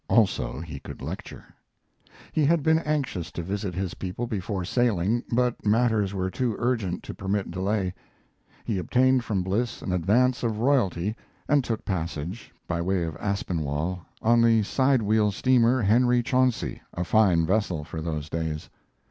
Also, he could lecture. He had been anxious to visit his people before sailing, but matters were too urgent to permit delay. He obtained from Bliss an advance of royalty and took passage, by way of Aspinwall, on the sidewheel steamer Henry Chauncey, a fine vessel for those days.